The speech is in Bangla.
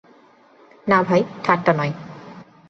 না ভাই, ঠাট্টা নয়।